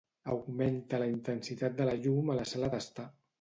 Augmenta la intensitat de la llum a la sala d'estar.